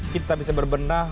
kita bisa berbenah